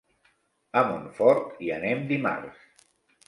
A Montfort hi anem dimarts.